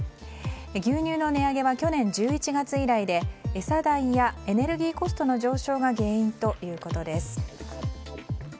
牛乳の値上げは去年１１月以来で餌代やエネルギーコストの上昇が原因ということです。